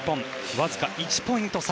わずか１ポイント差。